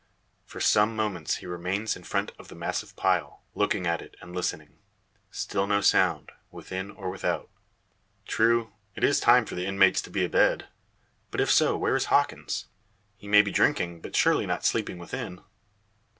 For some moments he remains in front of the massive pile, looking at it, and listening. Still no sound, within or without. True, it is time for the inmates to be a bed. But if so, where is Hawkins? He may be drinking, but surely not sleeping within!